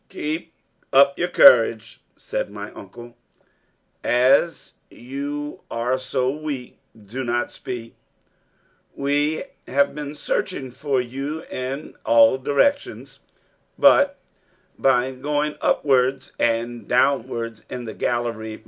"Keep up your courage," said my uncle. "As you are so weak, do not speak. We have been searching for you in all directions, both by going upwards and downwards in the gallery.